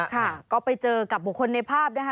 ค่ะก็ไปเจอกับบุคคลในภาพนะคะ